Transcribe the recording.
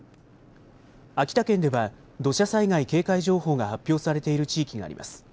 秋田県では土砂災害警戒情報が発表されている地域があります。